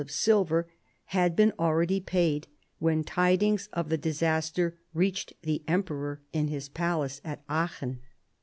of silver had been already paid when tidings of the disaster reached the emperor in his palace at Aachen.